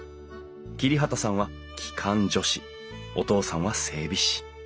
桐畑さんは機関助士お父さんは整備士。